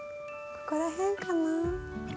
ここら辺かな？